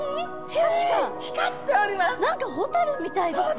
何かホタルみたいですね。